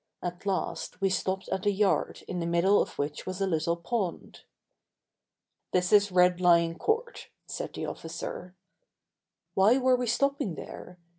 At last we stopped at a yard in the middle of which was a little pond. "This is Red Lion Court," said the officer. Why were we stopping there?